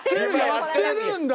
やってるんだよ！